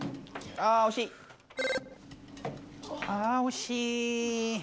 あおしい！